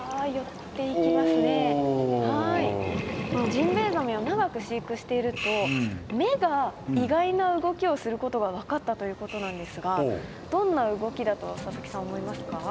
ジンベエザメを長く飼育していると目が意外な動きをすることが分かったということなんですがどんな動きだと佐々木さん思いますか？